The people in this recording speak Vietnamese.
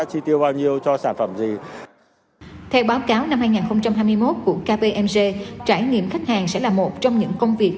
theo báo cáo năm hai nghìn hai mươi một của kng trải nghiệm khách hàng sẽ là một trong những công việc